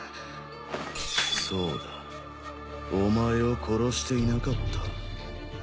そうだお前を殺していなかった。